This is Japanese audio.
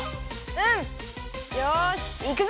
うん！よしいくぞ！